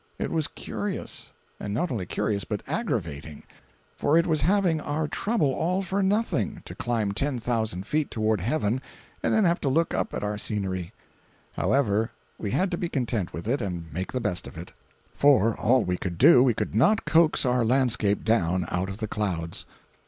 It was curious; and not only curious, but aggravating; for it was having our trouble all for nothing, to climb ten thousand feet toward heaven and then have to look up at our scenery. However, we had to be content with it and make the best of it; for, all we could do we could not coax our landscape down out of the clouds.